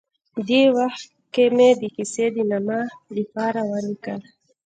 دې وخت کې مې د کیسې د نامه لپاره ولیکل.